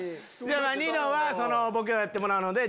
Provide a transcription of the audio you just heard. ニノはボケをやってもらうので。